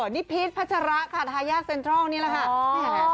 นี่พีชพัชระค่ะทายาทเซ็นทรัลนี่แหละค่ะ